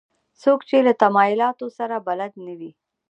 څوک چې له تمایلاتو سره بلد نه وي.